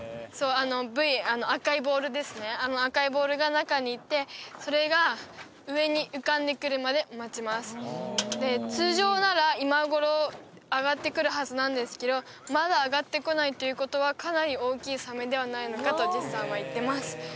あの赤いボールが中に行ってそれが上に浮かんでくるまで待ちますで通常なら今頃上がってくるはずなんですけどまだ上がってこないということはかなり大きいサメではないのかとジェシカさんは言ってます